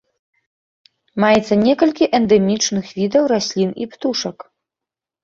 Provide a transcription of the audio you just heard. Маецца некалькі эндэмічных відаў раслін і птушак.